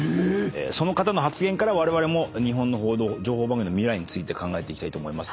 その方の発言から日本の報道情報番組の未来について考えていきたいと思います。